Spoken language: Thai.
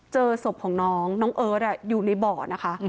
เจอศพของน้องน้องเอิร์ทอยู่ในบ่อนะคะ